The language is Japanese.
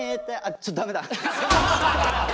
ちょっとダメだ！